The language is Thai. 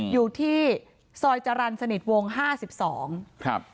อยู่ที่ซอยจารันสนิทวง๕๐สองครับ